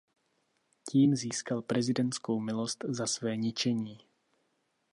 Tím získal prezidentskou milost za své ničení.